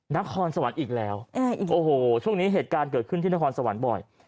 นครสวรรค์อีกแล้วโอ้โหช่วงนี้เหตุการณ์เกิดขึ้นที่นครสวรรค์บ่อย